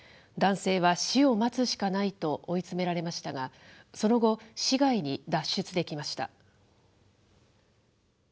男性は死を待つしかないと追い詰められましたが、その後、市外に脱出できました。